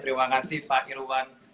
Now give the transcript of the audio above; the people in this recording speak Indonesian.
terima kasih pak irwan